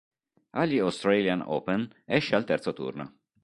Agli Australian Open esce al terzo turno.